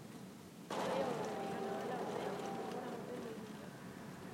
Saila aurrera joan ahala, ordea, denbora moteldu egin da.